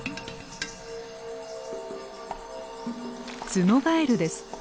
ツノガエルです。